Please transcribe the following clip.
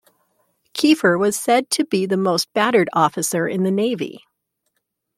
Kiefer was said to be the most battered officer in the Navy.